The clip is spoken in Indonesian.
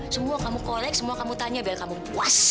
semua kamu kolek semua kamu tanya biar kamu puas